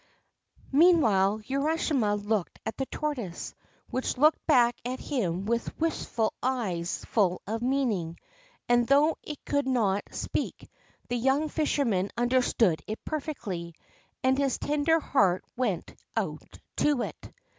Meanwhile Urashima looked at the tortoise, which looked back at him with wistful eyes full of meaning ; and, though it could not speak, the young fisherman understood it perfectly, and his tender heart went out to it.